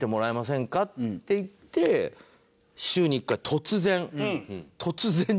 って言って週に１回突然。